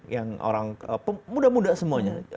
yang orang muda muda semuanya